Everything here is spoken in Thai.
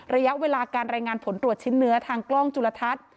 ระยะเวลาการรายงานผลตรวจชิ้นเนื้อทางกล้องจุลทัศน์